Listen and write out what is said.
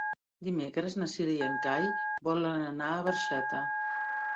Dimecres na Cira i en Cai volen anar a Barxeta.